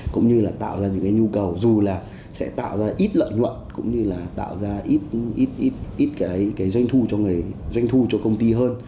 cũng như là tạo ra những nhu cầu dù là sẽ tạo ra ít lợi nhuận cũng như là tạo ra ít doanh thu cho công ty hơn